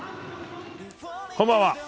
こんばんは。